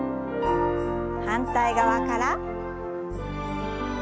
反対側から。